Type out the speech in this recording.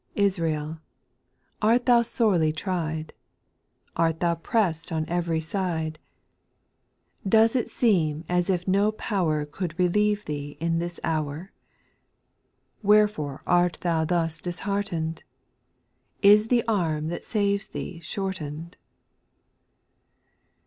2. Israel, art thou sorely tried ?. Art thou press'd on ev'ry side ? Does it seem as if no power Could relieve thee in this hour ? Wherefore art thou thus disheartened ? Is the arm that saves thee shortened